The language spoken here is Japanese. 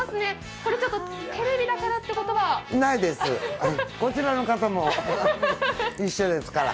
これちょっと、テレビだからってことはないです、こちらの方も一緒ですから。